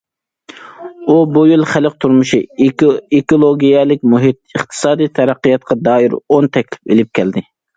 ئۇ بۇ يىل خەلق تۇرمۇشى، ئېكولوگىيەلىك مۇھىت، ئىقتىسادىي تەرەققىياتقا دائىر ئون تەكلىپ ئېلىپ كەلدى.